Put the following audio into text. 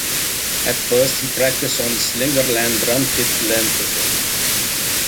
At first he practiced on a Slingerland drum kit lent to him.